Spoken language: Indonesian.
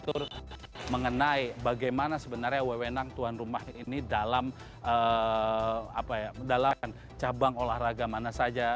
diatur mengenai bagaimana sebenarnya wewenang tuan rumah ini dalam cabang olahraga mana saja